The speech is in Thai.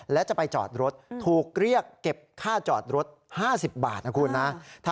และจะไปจอดรถถูกเรียกเก็บค่าจอดรถ๕๐บาทนะคุณนะ